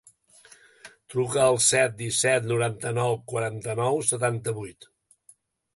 Truca al set, disset, noranta-nou, quaranta-nou, setanta-vuit.